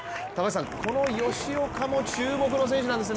この吉岡も注目の選手なんですね。